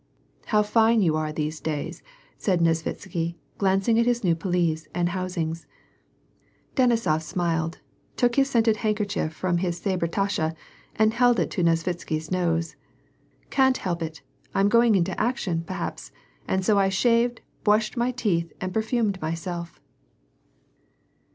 " How fine you are these days !" said Nesvitsky, glancing at his new pelisse and housings. Denisof smiled, took his scented handkerchief from his sabretache and held it to Nesvitsky's nose. "Can't help it! I'm going into action, pe'haps! and so I shaved, bwushed my teeth, and perfumed myself